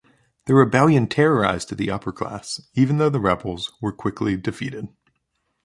The Rebellion terrorized the upper classes, even though the rebels were quickly defeated.